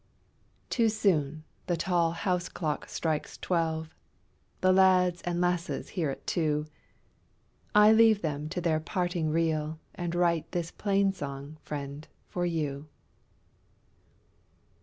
Too soon the tall house clock strikes twelve, The lads and lasses hear it too, I leave them to their parting reel, And write this plain song, friend, for you.